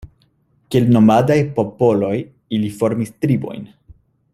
Kiel nomadaj popoloj, ili formis tribojn.